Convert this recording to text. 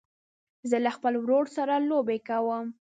زه له خپل ورور سره لوبې کوم.